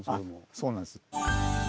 そうなんです。